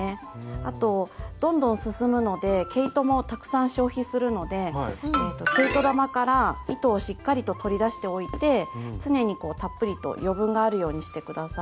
あとどんどん進むので毛糸もたくさん消費するので毛糸玉から糸をしっかりと取り出しておいて常にたっぷりと余分があるようにして下さい。